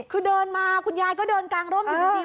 คือเดินมาคุณยายก็เดินกางร่มอยู่จริง